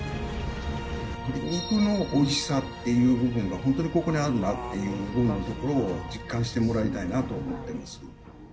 肉のおいしさっていう部分が本当にここにあるんだという部分を実感してもらいたいなと思っています。